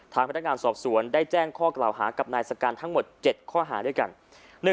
พนักงานสอบสวนได้แจ้งข้อกล่าวหากับนายสการทั้งหมด๗ข้อหาด้วยกัน